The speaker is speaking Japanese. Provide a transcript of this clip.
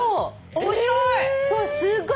面白い！